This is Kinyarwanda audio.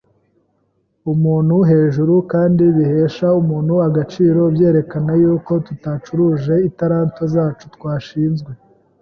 umuntu hejuru kandi bihesha umuntu agaciro byerekana yuko tutacuruje italanto zacu twashinzwe,